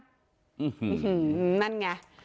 อื้อฮือนั่นไง